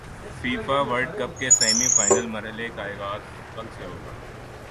FIFA world cup کے semi final مرحلے کا غاز کل سے ہو گا